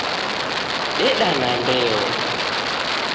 Deda na ndeo